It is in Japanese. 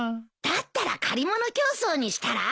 だったら借り物競走にしたら？